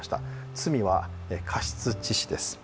罪は過失致死です。